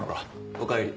おかえり。